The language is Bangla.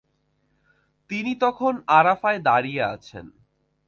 তিনি তখন আরাফায় দাঁড়িয়ে আছেন।